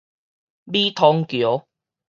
美通橋